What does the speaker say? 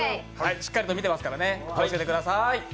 しっかりと見てますからね、気をつけてください。